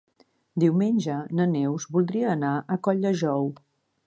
Diumenge na Neus voldria anar a Colldejou.